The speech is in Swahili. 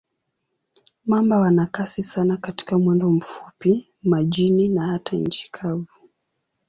Mamba wana kasi sana katika mwendo mfupi, majini na hata nchi kavu.